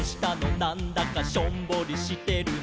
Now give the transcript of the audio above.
なんだかしょんぼりしてるね」